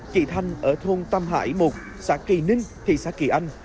chị thanh ở thôn tam hải một xã kỳ ninh thị xã kỳ anh